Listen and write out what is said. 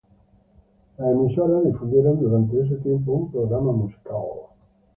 Las emisoras difundieron durante este tiempo un programa musical.